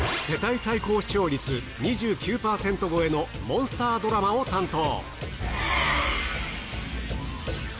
世帯最高視聴率２９％超えのモンスタードラマを担当。